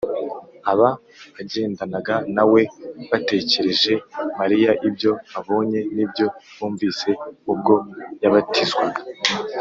. Aba bagendanaga na we batekerereje Mariya ibyo babonye n’ibyo bumvise ubwo yabatizwaga,